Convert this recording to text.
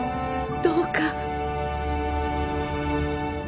どうか